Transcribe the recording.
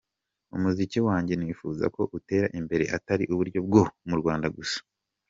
Umuziki wanjye nifuza ko utera imbere; atari uburyo bwo mu Rwanda gusa.